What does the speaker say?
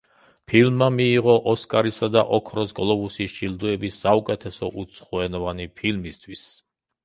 ფილმმა მიიღო ოსკარისა და ოქროს გლობუსის ჯილდოები საუკეთესო უცხოენოვანი ფილმისთვის.